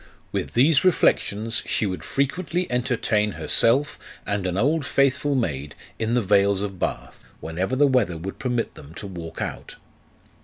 With these reflections she would frequently entertain herself and an old faithful maid in the vales of Bath, whenever the weather would permit them to walk out.